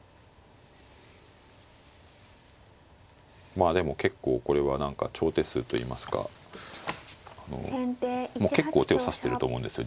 まあでも結構これは何か長手数といいますかもう結構手を指してると思うんですよ